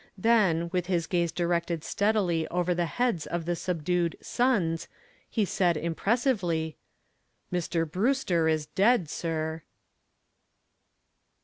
Then, with his gaze directed steadily over the heads of the subdued "Sons," he added, impressively: "Mr. Brewster is dead, sir."